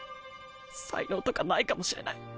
才能とかないかもしれない。